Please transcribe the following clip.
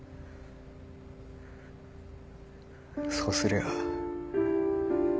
そうすりゃ。